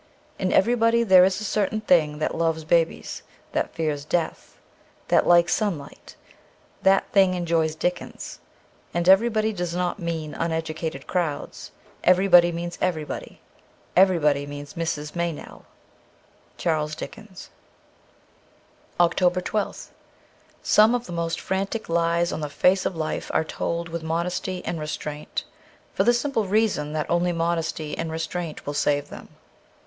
In everybody there is a certain thing that loves babies, that fears death, that likes sunlight : that thing enjoys Dickens. And everybody does not mean uneducated crowds, every body means everybody : everybody means Mrs. Meynell. ' Charles Dickens' 317 OCTOBER 1 2th SOME of the most frantic lies on the face of life are told with modesty and restraint ; for the simple reason that only modesty and restraint will save them.